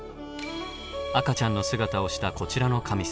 赤ちゃんの姿をしたこちらの神様。